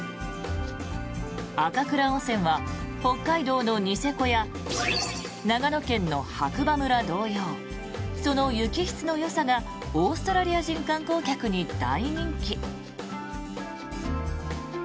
赤倉温泉は北海道のニセコや長野県の白馬村同様その雪質のよさがオーストラリア人観光客に大人気。